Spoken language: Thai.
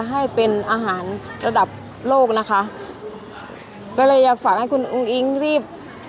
ให้เป็นอาหารระดับโลกนะคะก็เลยอยากฝากให้คุณอุ้งอิ๊งรีบ